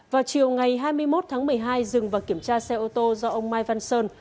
vào chiều ngày hai mươi một tháng một mươi hai dừng và kiểm tra xe ô tô do ông mai văn sơn